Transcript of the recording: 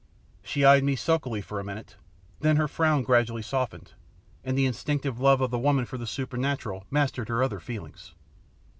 She eyed me sulkily for a minute, then her frown gradually softened, and the instinctive love of the woman for the supernatural mastered her other feelings.